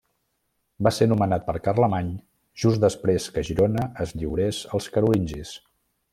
Va ser nomenat per Carlemany just després que Girona es lliurés als carolingis.